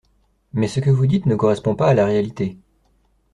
Mais ce que vous dites ne correspond pas à la réalité.